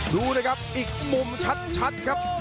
ดูนะครับอีกมุมชัดครับ